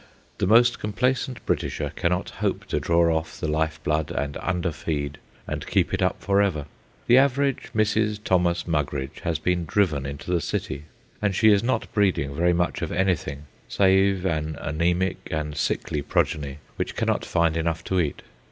The most complacent Britisher cannot hope to draw off the life blood, and underfeed, and keep it up forever. The average Mrs. Thomas Mugridge has been driven into the city, and she is not breeding very much of anything save an anæmic and sickly progeny which cannot find enough to eat.